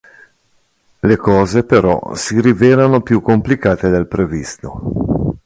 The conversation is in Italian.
Le cose però si rivelano più complicate del previsto.